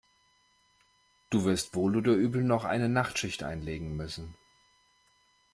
Du wirst wohl oder übel noch eine Nachtschicht einlegen müssen.